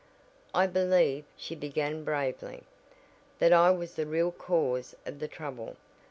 "I believe," she began bravely, "that I was the real cause of the trouble.